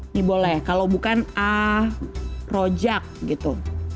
ini boleh kalau bukan a projak gitu